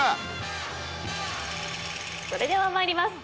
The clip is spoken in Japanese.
それでは参ります。